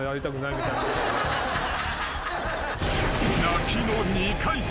［泣きの２回戦］